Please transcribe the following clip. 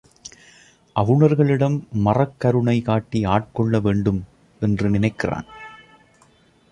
அவுணர்களிடம் மறக்கருணை காட்டி ஆட்கொள்ள வேண்டும் என்று நினைக்கிறான்.